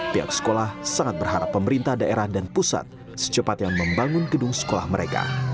pihak sekolah sangat berharap pemerintah daerah dan pusat secepatnya membangun gedung sekolah mereka